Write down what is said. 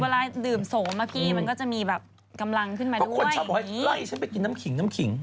เวลาดื่มสมอะพี่มันก็จะมีแบบกำลังขึ้นมาด้วยเพราะคนชอบบอกให้ไล่ฉันไปกินน้ำขิง